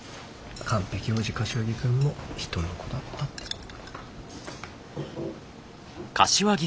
完璧王子柏木君も人の子だったってことよ。